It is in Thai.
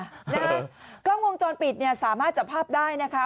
กล้องวงจรปิดเนี่ยสามารถจับภาพได้นะคะ